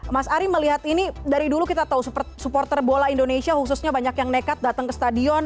mas ari melihat ini dari dulu kita tahu supporter bola indonesia khususnya banyak yang nekat datang ke stadion